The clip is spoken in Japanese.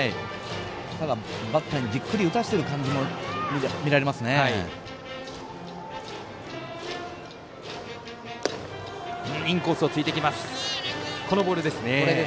ただ、バッターにじっくり打たせてる感じも見られますね。